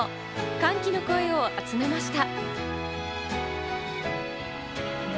歓喜の声を集めました。